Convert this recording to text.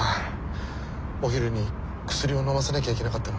お昼に薬をのませなきゃいけなかったのに。